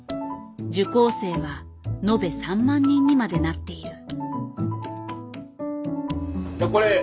受講生は延べ３万人にまでなっている。